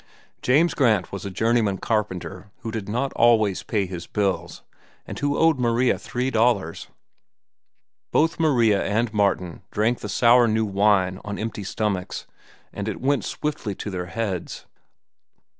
James Grant was a journeymen carpenter who did not always pay his bills and who owed Maria three dollars. Both Maria and Martin drank the sour new wine on empty stomachs, and it went swiftly to their heads.